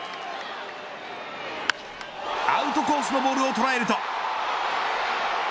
アウトコースのボールを捉えると。